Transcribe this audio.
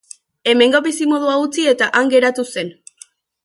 Hemengo bizimodua utzi eta han geratu zen.